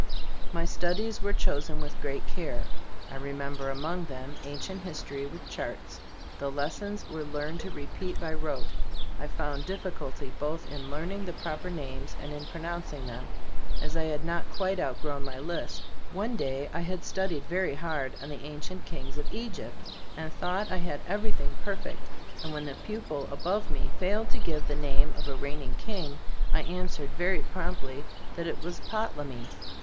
My studies were chosen with great care. I remember among them, an cient history with charts. The lessons were learned to repeat by rote. I found difficulty both in learning the proper names and in pronouncing them, as I had not quite outgrown my Gbe Storg of A^ CbUfcboofc 43 lisp. One day I had studied very hard on the Ancient Kings of Egypt, and thought I had everything perfect, and when the pupil above me failed to give the name of a reigning king, I answered very promptly that it was "Potlomy."